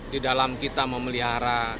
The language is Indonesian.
di dalam kita memelihara